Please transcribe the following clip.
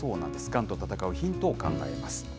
がんと闘うヒントを考えます。